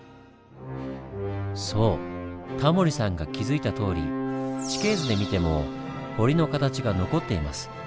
そうタモリさんが気付いたとおり地形図で見ても堀の形が残っています。